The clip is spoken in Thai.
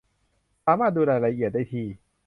สามารถดูรายละเอียดได้ที่